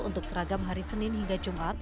untuk seragam hari senin hingga jumat